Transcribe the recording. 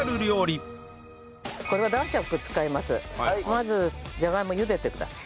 まずじゃがいもをゆでてください。